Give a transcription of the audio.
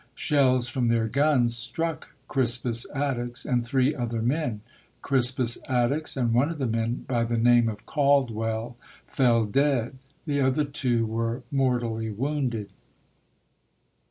Shells from their guns struck Crispus Attucks and three other men. Crispus Attucks and one of the men, by the name of Caldwell, fell dead. The other two were mor tally wounded.